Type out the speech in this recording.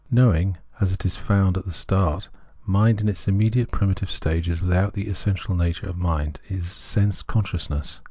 * Knowing, as it is found at the start, mind in its immediate and primitive stage, is without the essential nature of mind, is^ sense consciousness.